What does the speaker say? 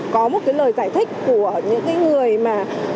có một cái lời giải thích của những cái người mà